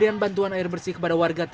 ya kalau ada bantuan enak sekali pak